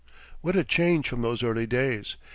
What a change from those early days!